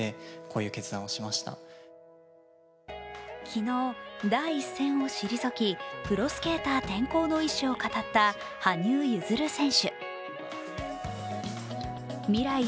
昨日、第一戦を退きプロスケーター転向の意思を語った羽生結弦選